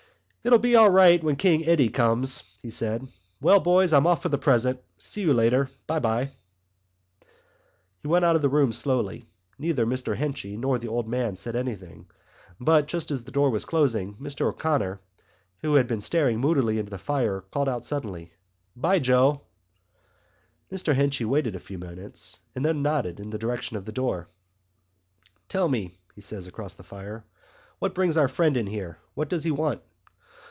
"It'll be all right when King Eddie comes," he said. "Well boys, I'm off for the present. See you later. 'Bye, 'bye." He went out of the room slowly. Neither Mr Henchy nor the old man said anything but, just as the door was closing, Mr O'Connor, who had been staring moodily into the fire, called out suddenly: "'Bye, Joe." Mr Henchy waited a few moments and then nodded in the direction of the door. "Tell me," he said across the fire, "what brings our friend in here? What does he want?"